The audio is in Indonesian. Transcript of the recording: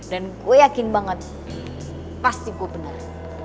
dan gue yakin banget pasti gue bener